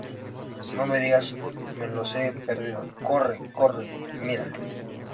no me digas, me los he perdido. ¡ corre, corre! mira.